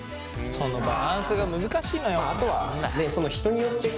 そのバランスが難しいのよ。